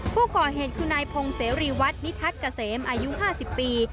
ผู้ก่อเหตุคือนายพงเสรีวัฒน์นิทัศน์เกษมอายุ๕๐ปี